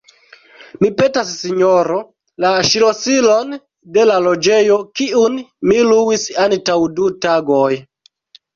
Mi petas, sinjoro, la ŝlosilon de la loĝejo, kiun mi luis antaŭ du tagoj.